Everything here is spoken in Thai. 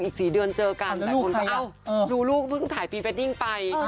อีกสี่เดือนเจอกันเอ้าลูลูกแล้วพรึ่งถ่ายพรีเฟดดิ้งไป